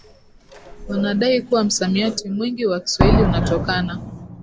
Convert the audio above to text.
Wanadai kuwa msamiati mwingi wa Kiswahili unatokana